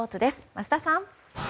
桝田さん。